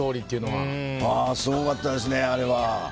すごかったですね、あれは。